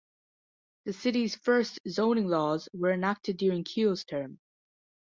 The City's first zoning laws were enacted during Kiel's term.